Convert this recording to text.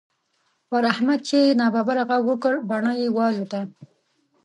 پر احمد چې يې ناببره غږ وکړ؛ بڼه يې والوته.